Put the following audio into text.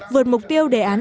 vượt mục tiêu đề án